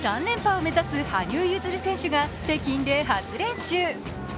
３連覇を目指す羽生結弦選手が北京で初練習。